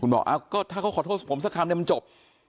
บอกก็ถ้าเขาขอโทษผมสักคำเนี่ยมันจบ